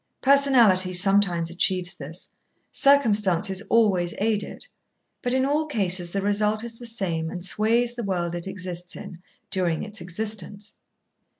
Personality sometimes achieves this, circumstances always aid it; but in all cases the result is the same and sways the world it exists in during its existence.